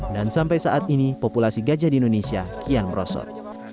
dan sampai saat ini populasi gajah di indonesia kian merosot